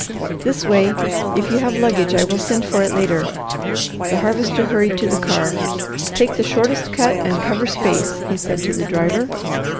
"This way! If you have luggage, I will send for it later." The Harvester hurried to the car. "Take the shortest cut and cover space," he said to the driver.